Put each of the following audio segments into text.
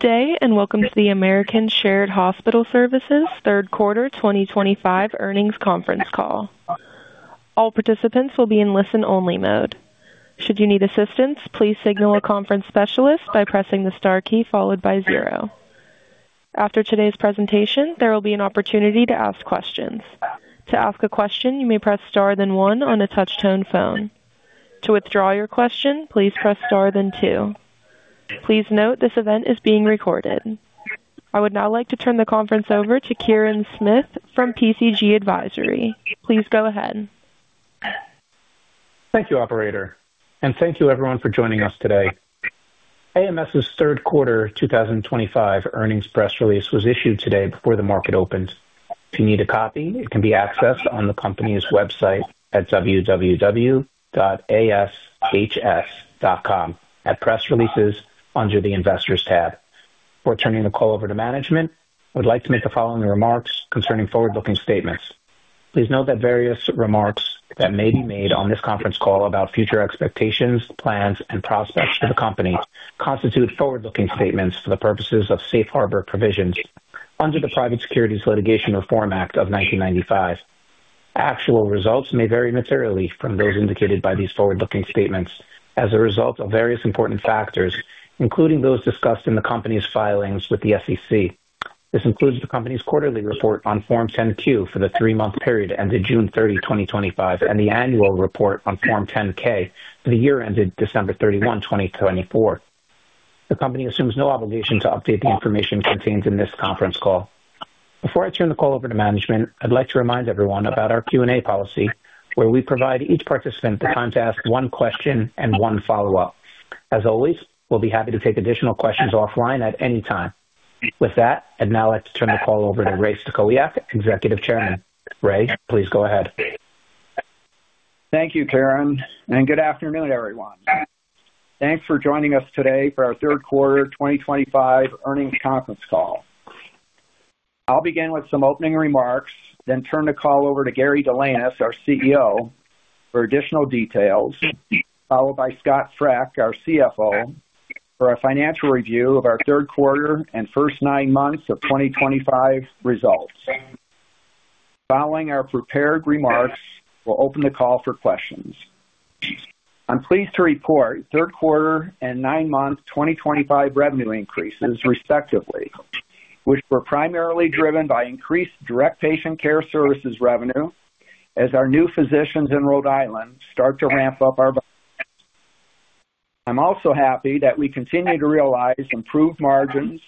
Good day and welcome to the American Shared Hospital Services Third Quarter 2025 earnings conference call. All participants will be in listen-only mode. Should you need assistance, please signal a conference specialist by pressing the star key followed by zero. After today's presentation, there will be an opportunity to ask questions. To ask a question, you may press star then one on a touch-tone phone. To withdraw your question, please press star then two. Please note this event is being recorded. I would now like to turn the conference over to Kieran Smith from PCG Advisory. Please go ahead. Thank you, Operator, and thank you, everyone, for joining us today. AMS's Third Quarter 2025 earnings press release was issued today before the market opened. If you need a copy, it can be accessed on the company's website at www.aschs.com at press releases under the investors tab. Before turning the call over to management, I would like to make the following remarks concerning forward-looking statements. Please note that various remarks that may be made on this conference call about future expectations, plans, and prospects for the company constitute forward-looking statements for the purposes of safe harbor provisions under the Private Securities Litigation Reform Act of 1995. Actual results may vary materially from those indicated by these forward-looking statements as a result of various important factors, including those discussed in the company's filings with the SEC. This includes the company's quarterly report on Form 10-Q for the three-month period ended June 30, 2025, and the annual report on Form 10-K for the year ended December 31, 2024. The company assumes no obligation to update the information contained in this conference call. Before I turn the call over to management, I'd like to remind everyone about our Q&A policy, where we provide each participant the time to ask one question and one follow-up. As always, we'll be happy to take additional questions offline at any time. With that, I'd now like to turn the call over to Ray Stachowiak, Executive Chairman. Ray, please go ahead. Thank you, Kieran, and good afternoon, everyone. Thanks for joining us today for our Third Quarter 2025 earnings conference call. I'll begin with some opening remarks, then turn the call over to Gary Delanous, our CEO, for additional details, followed by Scott Frech, our CFO, for a financial review of our Third Quarter and first nine months of 2025 results. Following our prepared remarks, we'll open the call for questions. I'm pleased to report Third Quarter and nine-month 2025 revenue increases, respectively, which were primarily driven by increased direct patient care services revenue as our new physicians in Rhode Island start to ramp up our values. I'm also happy that we continue to realize improved margins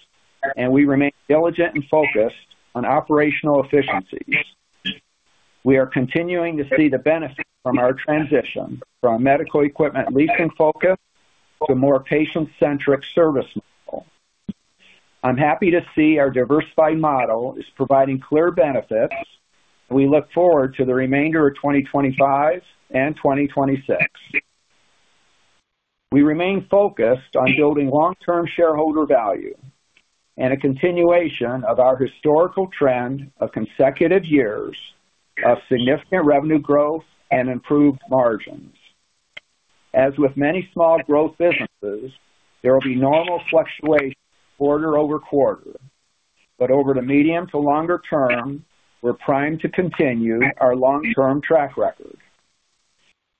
and we remain diligent and focused on operational efficiencies. We are continuing to see the benefit from our transition from a medical equipment leasing focus to a more patient-centric service model. I'm happy to see our diversified model is providing clear benefits, and we look forward to the remainder of 2025 and 2026. We remain focused on building long-term shareholder value and a continuation of our historical trend of consecutive years of significant revenue growth and improved margins. As with many small growth businesses, there will be normal fluctuations quarter over quarter, but over the medium to longer term, we're primed to continue our long-term track record.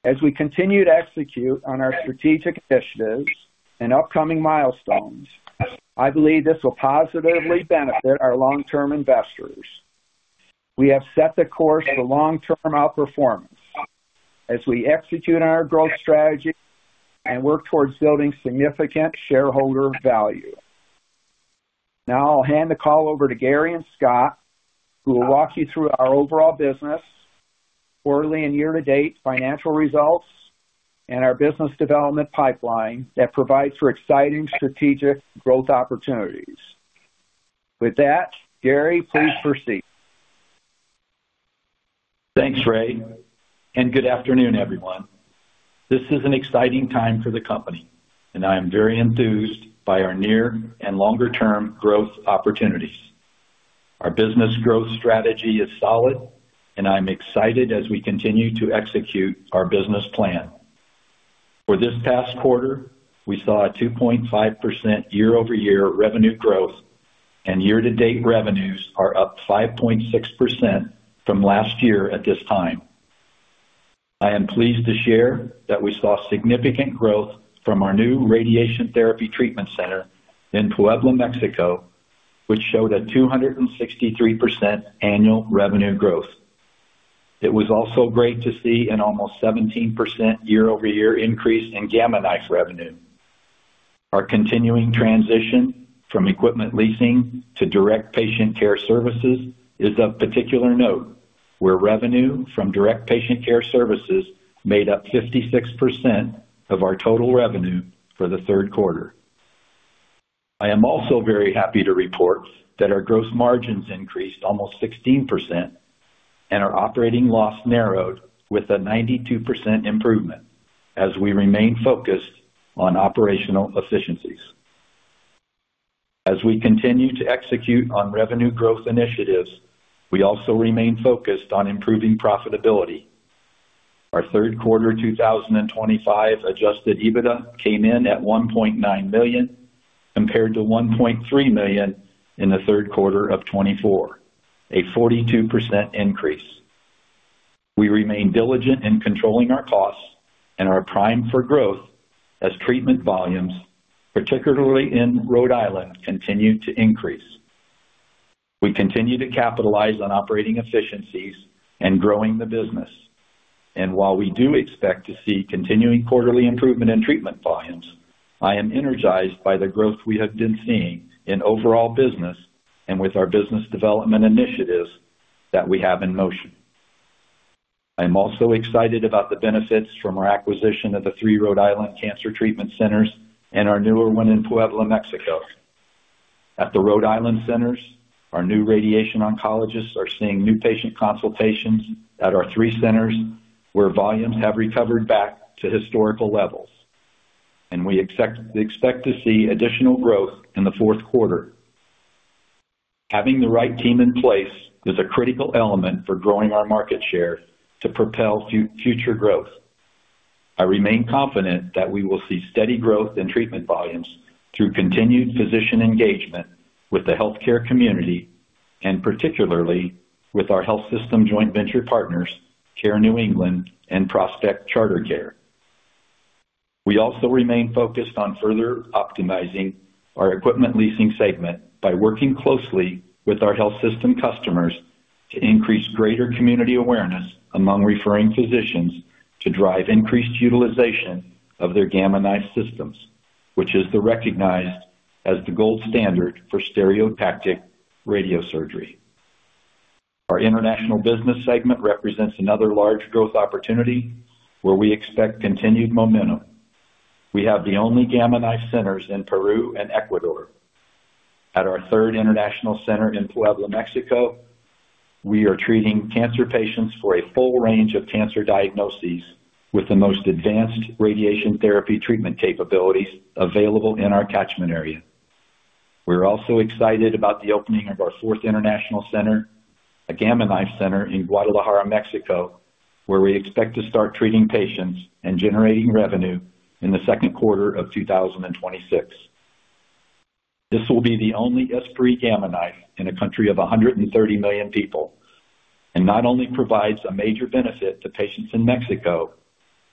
As we continue to execute on our strategic initiatives and upcoming milestones, I believe this will positively benefit our long-term investors. We have set the course for long-term outperformance as we execute on our growth strategy and work towards building significant shareholder value. Now I'll hand the call over to Gary and Scott, who will walk you through our overall business, quarterly and year-to-date financial results, and our business development pipeline that provides for exciting strategic growth opportunities. With that, Gary, please proceed. Thanks, Ray, and good afternoon, everyone. This is an exciting time for the company, and I am very enthused by our near and longer-term growth opportunities. Our business growth strategy is solid, and I'm excited as we continue to execute our business plan. For this past quarter, we saw a 2.5% year-over-year revenue growth, and year-to-date revenues are up 5.6% from last year at this time. I am pleased to share that we saw significant growth from our new radiation therapy treatment center in Puebla, Mexico, which showed a 263% annual revenue growth. It was also great to see an almost 17% year-over-year increase in Gamma Knife revenue. Our continuing transition from equipment leasing to direct patient care services is of particular note, where revenue from direct patient care services made up 56% of our total revenue for the third quarter. I am also very happy to report that our gross margins increased almost 16% and our operating loss narrowed with a 92% improvement as we remain focused on operational efficiencies. As we continue to execute on revenue growth initiatives, we also remain focused on improving profitability. Our third quarter 2025 adjusted EBITDA came in at $1.9 million compared to $1.3 million in the third quarter of '24, a 42% increase. We remain diligent in controlling our costs and are primed for growth as treatment volumes, particularly in Rhode Island, continue to increase. We continue to capitalize on operating efficiencies and growing the business, and while we do expect to see continuing quarterly improvement in treatment volumes, I am energized by the growth we have been seeing in overall business and with our business development initiatives that we have in motion. I am also excited about the benefits from our acquisition of the three Rhode Island cancer treatment centers and our newer one in Puebla, Mexico. At the Rhode Island centers, our new radiation oncologists are seeing new patient consultations at our three centers where volumes have recovered back to historical levels, and we expect to see additional growth in the fourth quarter. Having the right team in place is a critical element for growing our market share to propel future growth. I remain confident that we will see steady growth in treatment volumes through continued physician engagement with the healthcare community and particularly with our health system joint venture partners, Care New England and Prospect Charter Care. We also remain focused on further optimizing our equipment leasing segment by working closely with our health system customers to increase greater community awareness among referring physicians to drive increased utilization of their gamma knife systems, which is recognized as the gold standard for stereotactic radiosurgery. Our international business segment represents another large growth opportunity where we expect continued momentum. We have the only gamma knife centers in Peru and Ecuador. At our third international center in Puebla, Mexico, we are treating cancer patients for a full range of cancer diagnoses with the most advanced radiation therapy treatment capabilities available in our catchment area. We're also excited about the opening of our fourth international center, a gamma knife center in Guadalajara, Mexico, where we expect to start treating patients and generating revenue in the second quarter of 2026. This will be the only S3 gamma knife in a country of 130 million people and not only provides a major benefit to patients in Mexico,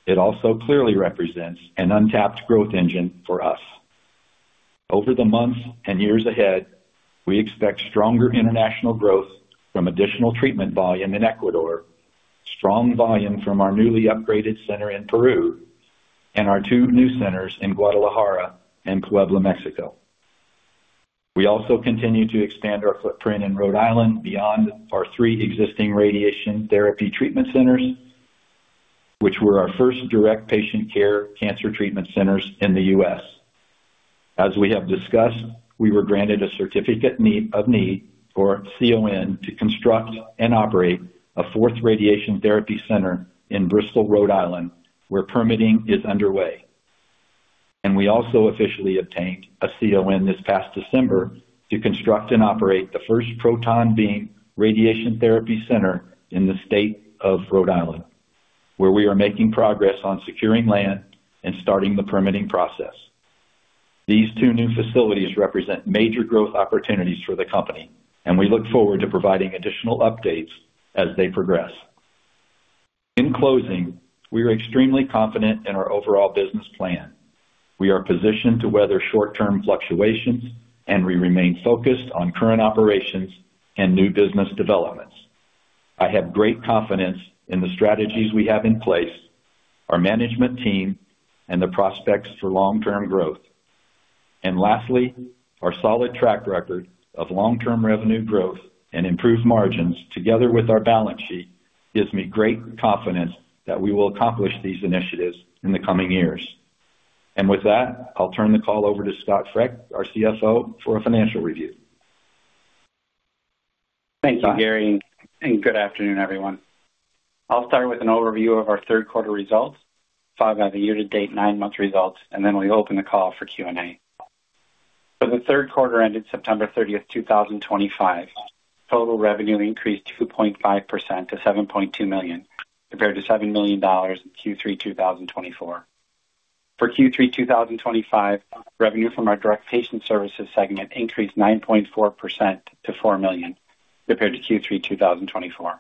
it also clearly represents an untapped growth engine for us. Over the months and years ahead, we expect stronger international growth from additional treatment volume in Ecuador, strong volume from our newly upgraded center in Peru, and our two new centers in Guadalajara and Puebla, Mexico. We also continue to expand our footprint in Rhode Island beyond our three existing radiation therapy treatment centers, which were our first direct patient care cancer treatment centers in the U.S. As we have discussed, we were granted a certificate of need for CON to construct and operate a fourth radiation therapy center in Bristol, Rhode Island, where permitting is underway. And we also officially obtained a CON this past December to construct and operate the first proton beam radiation therapy center in the state of Rhode Island, where we are making progress on securing land and starting the permitting process. These two new facilities represent major growth opportunities for the company, and we look forward to providing additional updates as they progress. In closing, we are extremely confident in our overall business plan. We are positioned to weather short-term fluctuations, and we remain focused on current operations and new business developments. I have great confidence in the strategies we have in place, our management team, and the prospects for long-term growth. And lastly, our solid track record of long-term revenue growth and improved margins together with our balance sheet gives me great confidence that we will accomplish these initiatives in the coming years. And with that, I'll turn the call over to Scott Frech, our CFO, for a financial review. Thank you, Gary, and good afternoon, everyone. I'll start with an overview of our third quarter results, followed by the year-to-date, nine-month results, and then we open the call for Q&A. For the third quarter ended September 30, 2025, total revenue increased 2.5% to $7.2 million compared to $7 million in Q3, 2024. For Q3, 2025, revenue from our direct patient services segment increased 9.4% to $4 million compared to Q3, 2024.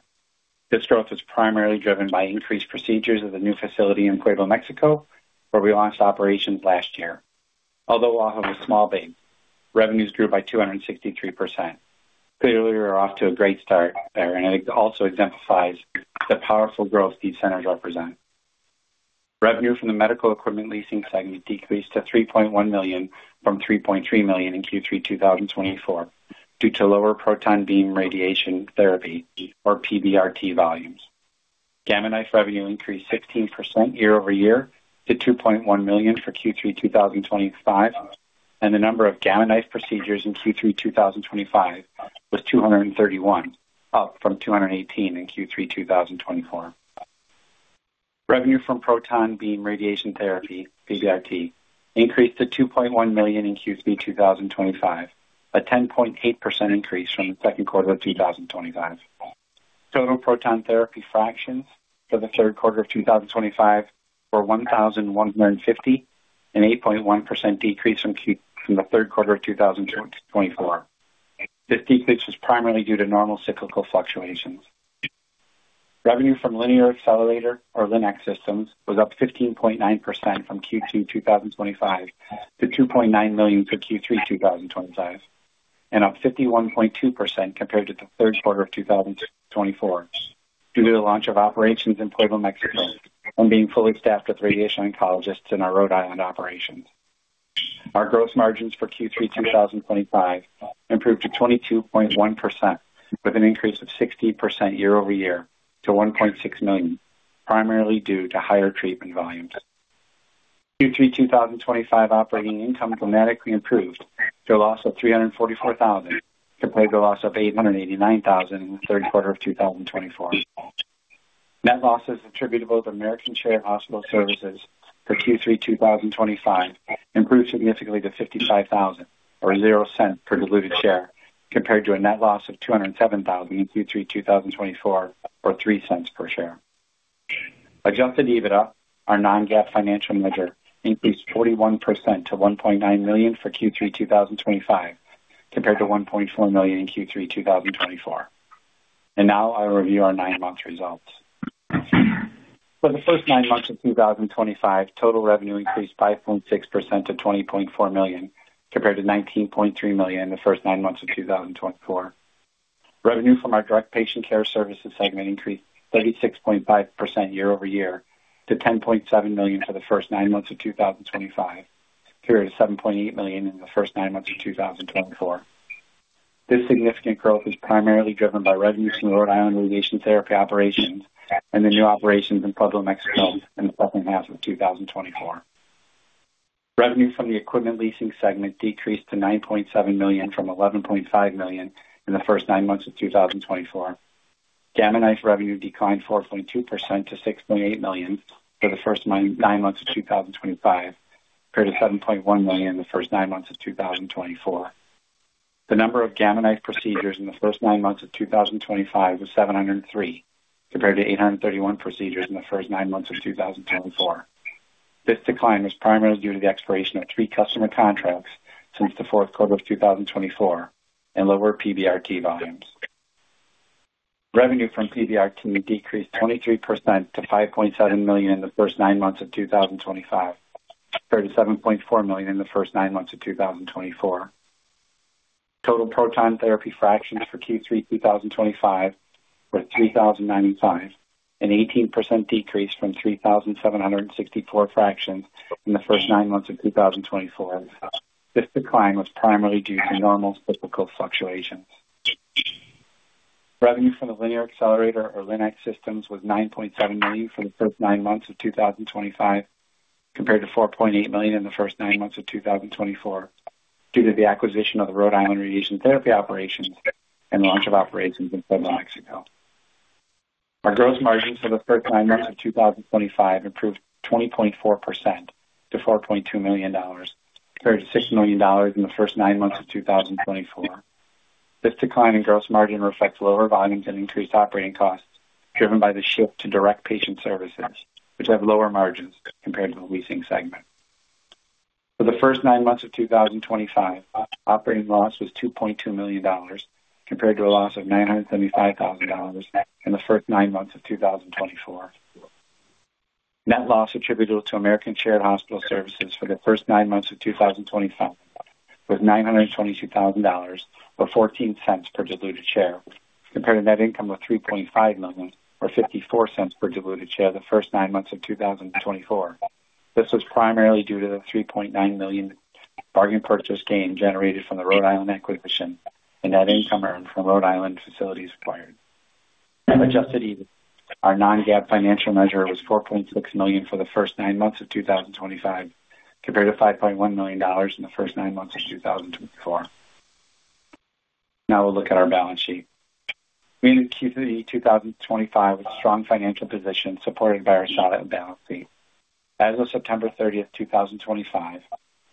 This growth was primarily driven by increased procedures of the new facility in Puebla, Mexico, where we launched operations last year. Although off of a small base, revenues grew by 263%. Clearly, we are off to a great start, and it also exemplifies the powerful growth these centers represent. Revenue from the medical equipment leasing segment decreased to $3.1 million from $3.3 million in Q3, 2024 due to lower proton beam radiation therapy, or PBRT, volumes. Gamma knife revenue increased 16% year-over-year to 2.1 million for Q3, 2025, and the number of gamma knife procedures in Q3, 2025 was 231, up from 218 in Q3, 2024. Revenue from proton beam radiation therapy, PBRT, increased to 2.1 million in Q3, 2025, a 10.8% increase from the second quarter of 2025. Total proton therapy fractions for the third quarter of 2025 were 1,150, an 8.1% decrease from the third quarter of 2024. This decrease was primarily due to normal cyclical fluctuations. Revenue from linear accelerator, or Linac, systems was up 15.9% from Q2, 2025 to 2.9 million for Q3, 2025, and up 51.2% compared to the third quarter of 2024 due to the launch of operations in Puebla, Mexico, and being fully staffed with radiation oncologists in our Rhode Island operations. Our gross margins for Q3, 2025, improved to 22.1% with an increase of 60% year-over-year to 1.6 million, primarily due to higher treatment volumes. Q3, 2025, operating income dramatically improved to a loss of $344,000 compared to a loss of $889,000 in the third quarter of 2024. Net losses attributable to American Shared Hospital Services for Q3, 2025 improved significantly to $55,000, or 0 cents per diluted share compared to a net loss of $207,000 in Q3, 2024, or 3 cents per share. Adjusted EBITDA, our non-GAAP financial measure, increased 41% to 1.9 million for Q3, 2025 compared to 1.4 million in Q3, 2024. And now I'll review our nine-month results. For the first nine months of 2025, total revenue increased 5.6% to 20.4 million compared to 19.3 million in the first nine months of 2024. Revenue from our direct patient care services segment increased 36.5% year-over-year to 10.7 million for the first nine months of 2025, compared to 7.8 million in the first nine months of 2024. This significant growth is primarily driven by revenues from the Rhode Island radiation therapy operations and the new operations in Puebla, Mexico, in the second half of 2024. Revenue from the equipment leasing segment decreased to 9.7 million from 11.5 million in the first nine months of 2024. Gamma knife revenue declined 4.2% to 6.8 million for the first nine months of 2025, compared to 7.1 million in the first nine months of 2024. The number of gamma knife procedures in the first nine months of 2025 was 703, compared to 831 procedures in the first nine months of 2024. This decline was primarily due to the expiration of three customer contracts since the fourth quarter of 2024 and lower PBRT volumes. Revenue from PBRT decreased 23% to 5.7 million in the first nine months of 2025, compared to 7.4 million in the first nine months of 2024. Total proton therapy fractions for Q3, 2025 were 3,095, an 18% decrease from 3,764 fractions in the first nine months of 2024. This decline was primarily due to normal cyclical fluctuations. Revenue from the linear accelerator, or Linac, systems was 9.7 million for the first nine months of 2025, compared to 4.8 million in the first nine months of 2024 due to the acquisition of the Rhode Island radiation therapy operations and launch of operations in Puebla, Mexico. Our gross margins for the first nine months of 2025 improved 20.4% to $4.2 million, compared to $6 million in the first nine months of 2024. This decline in gross margin reflects lower volumes and increased operating costs driven by the shift to direct patient services, which have lower margins compared to the leasing segment. For the first nine months of 2025, operating loss was $2.2 million, compared to a loss of $975,000 in the first nine months of 2024. Net loss attributed to American Shared Hospital Services for the first nine months of 2025 was $922,000, or 14 cents per diluted share, compared to net income of $3.5 million, or 54 cents per diluted share the first nine months of 2024. This was primarily due to the $3.9 million bargain purchase gain generated from the Rhode Island acquisition and net income earned from Rhode Island facilities acquired. Adjusted EBITDA, our non-GAAP financial measure was 4.6 million for the first nine months of 2025, compared to $5.1 million in the first nine months of 2024. Now we'll look at our balance sheet. We entered Q3, 2025 with a strong financial position supported by our shot at balance sheet. As of September 30, 2025,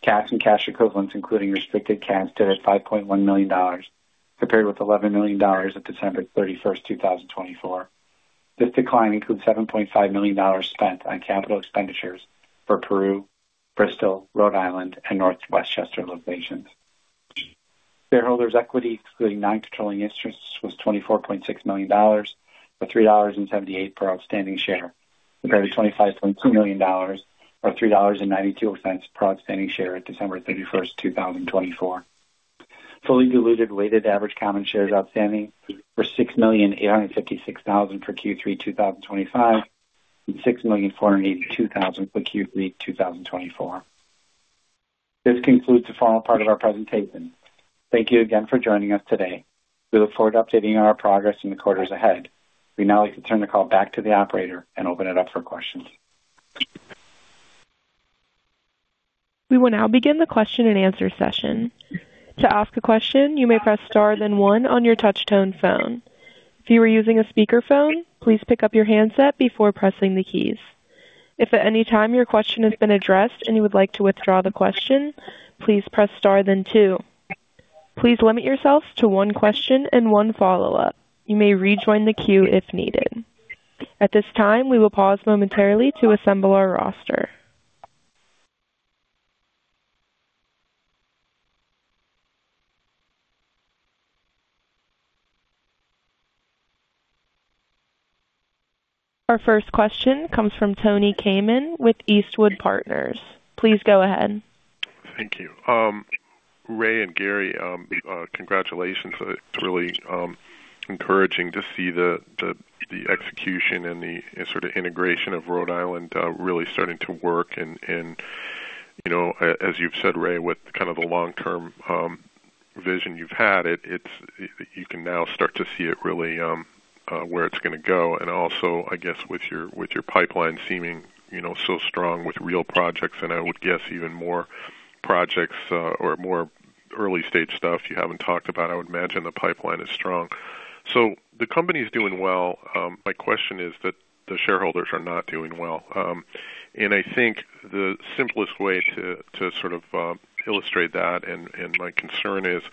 cash and cash equivalents, including restricted cash, stood at $5.1 million, compared with $11 million at December 31, 2024. This decline includes $7.5 million spent on capital expenditures for Peru, Bristol, Rhode Island, and Northwestchester locations. Shareholders' equity, including non-controlling interest, was $24.6 million, or $3.78 per outstanding share, compared to $25.2 million, or $3.92 per outstanding share at December 31, 2024. Fully diluted weighted average common shares outstanding were $6,856,000 for Q3, 2025, and $6,482,000 for Q3, 2024. This concludes the final part of our presentation. Thank you again for joining us today. We look forward to updating our progress in the quarters ahead. We now like to turn the call back to the operator and open it up for questions. We will now begin the question-and-answer session. To ask a question, you may press star then one on your touch-tone phone. If you are using a speakerphone, please pick up your handset before pressing the keys. If at any time your question has been addressed and you would like to withdraw the question, please press star then two. Please limit yourself to one question and one follow-up. You may rejoin the queue if needed. At this time, we will pause momentarily to assemble our roster. Our first question comes from Tony Kamin with Eastwood Partners. Please go ahead. Thank you. Ray and Gary, congratulations. It's really encouraging to see the execution and the integration of Rhode Island really starting to work. And as you've said, Ray, with kind of the long-term vision you've had, you can now start to see it really where it's going to go. And also, I guess, with your pipeline seeming so strong with real projects, and I would guess even more projects or more early-stage stuff you haven't talked about, I would imagine the pipeline is strong. So the company's doing well. My question is that the shareholders are not doing well. And I think the simplest way to sort of illustrate that, and my concern is,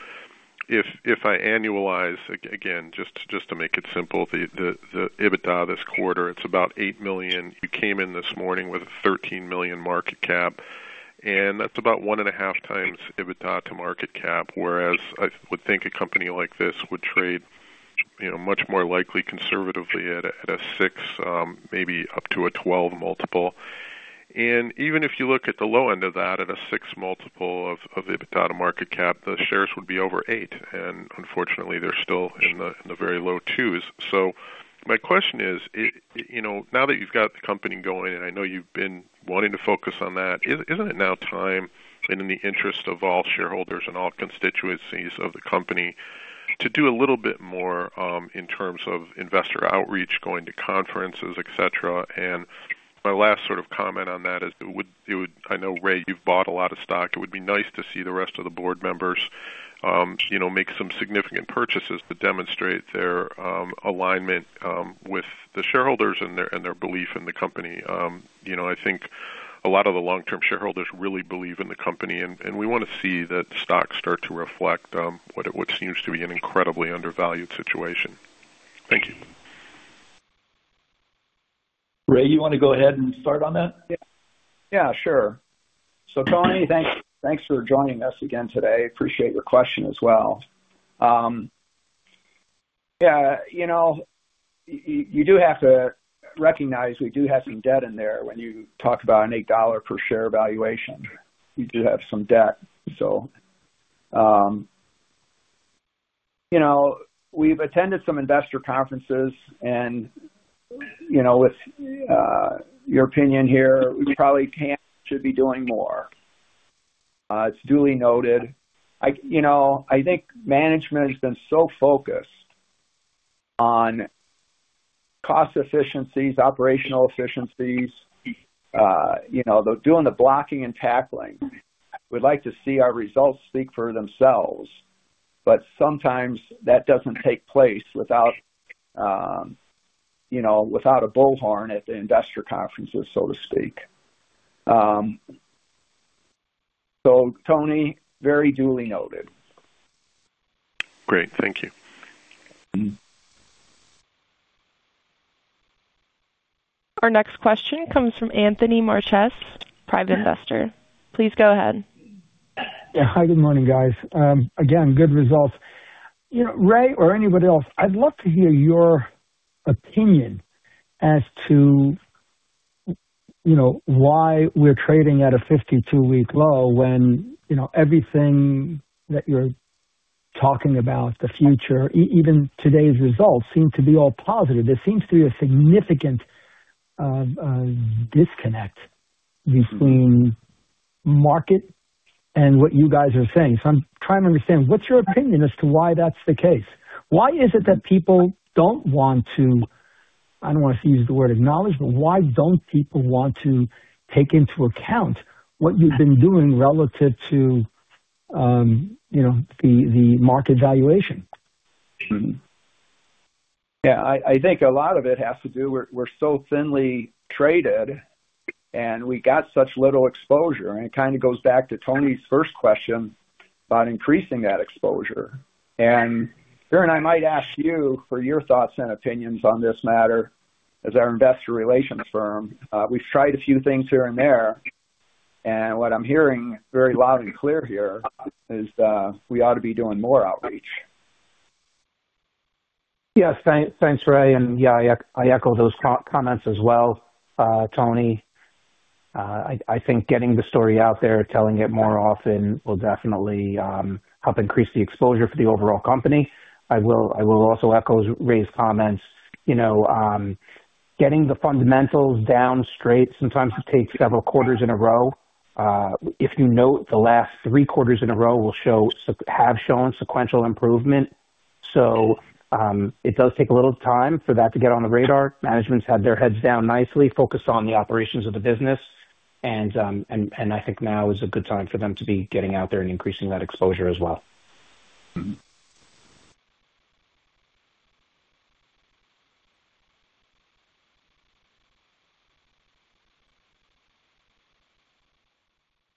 if I annualize, again, just to make it simple, the EBITDA this quarter, it's about $8 million. You came in this morning with a $13 million market cap, and that's about one and a half times EBITDA to market cap, whereas I would think a company like this would trade much more likely conservatively at a 6, maybe up to a 12 multiple. And even if you look at the low end of that, at a 6 multiple of EBITDA to market cap, the shares would be over 8. And unfortunately, they're still in the very low twos. So my question is, now that you've got the company going, and I know you've been wanting to focus on that, isn't it now time and in the interest of all shareholders and all constituencies of the company to do a little bit more in terms of investor outreach, going to conferences, etc.? And my last sort of comment on that is, I know, Ray, you've bought a lot of stock. It would be nice to see the rest of the board members make some significant purchases to demonstrate their alignment with the shareholders and their belief in the company. I think a lot of the long-term shareholders really believe in the company, and we want to see that stock start to reflect what seems to be an incredibly undervalued situation. Thank you. Ray, you want to go ahead and start on that? Yeah, sure. So Tony, thanks for joining us again today. Appreciate your question as well. Yeah, you do have to recognize we do have some debt in there when you talk about an $8 per share valuation. You do have some debt. So we've attended some investor conferences, and with your opinion here, we probably should be doing more. It's duly noted. I think management has been so focused on cost efficiencies, operational efficiencies, doing the blocking and tackling. We'd like to see our results speak for themselves, but sometimes that doesn't take place without a bullhorn at the investor conferences, so to speak. So Tony, very duly noted. Great. Thank you. Our next question comes from Anthony Marches, private investor. Please go ahead. Yeah. Hi, good morning, guys. Again, good results. Ray or anybody else, I'd love to hear your opinion as to why we're trading at a 52-week low when everything that you're talking about, the future, even today's results, seem to be all positive. There seems to be a significant disconnect between market and what you guys are saying. So I'm trying to understand what's your opinion as to why that's the case. Why is it that people don't want to—I don't want to use the word acknowledge, but why don't people want to take into account what you've been doing relative to the market valuation? Yeah. I think a lot of it has to do with we're so thinly traded, and we got such little exposure. And it kind of goes back to Tony's first question about increasing that exposure. And sure, I might ask you for your thoughts and opinions on this matter as our investor relations firm. We've tried a few things here and there. And what I'm hearing very loud and clear here is we ought to be doing more outreach. Yes. Thanks, Ray. And yeah, I echo those comments as well, Tony. I think getting the story out there, telling it more often, will definitely help increase the exposure for the overall company. I will also echo Ray's comments. Getting the fundamentals down straight, sometimes it takes several quarters in a row. If you note, the last three quarters in a row have shown sequential improvement. So it does take a little time for that to get on the radar. Management's had their heads down nicely, focused on the operations of the business. And I think now is a good time for them to be getting out there and increasing that exposure as well.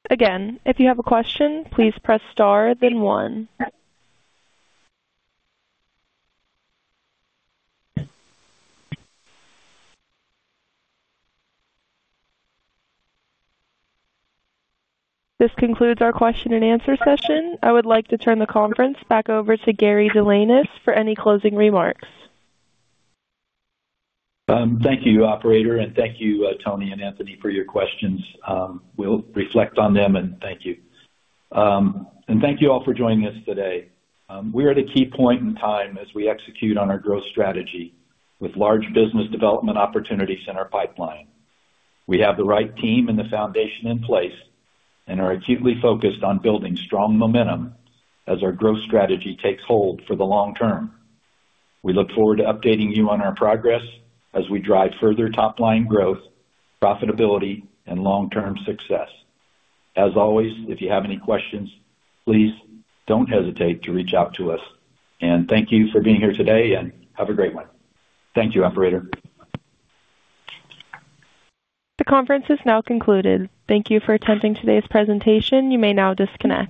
Again, if you have a question, please press star then one. This concludes our question-and-answer session. I would like to turn the conference back over to Gary Delanis for any closing remarks. Thank you, operator, and thank you, Tony and Anthony, for your questions. We'll reflect on them, and thank you. And thank you all for joining us today. We're at a key point in time as we execute on our growth strategy with large business development opportunities in our pipeline. We have the right team and the foundation in place and are acutely focused on building strong momentum as our growth strategy takes hold for the long term. We look forward to updating you on our progress as we drive further top-line growth, profitability, and long-term success. As always, if you have any questions, please don't hesitate to reach out to us. And thank you for being here today, and have a great one. Thank you, operator. The conference is now concluded. Thank you for attending today's presentation. You may now disconnect.